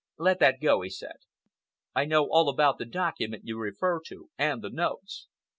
"Let that go," he said. "I know all about the document you refer to, and the notes.